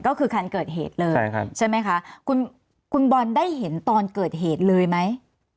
ก็คือคันเกิดเหตุเลยใช่ครับใช่ไหมคะคุณคุณบอลได้เห็นตอนเกิดเหตุเลยไหม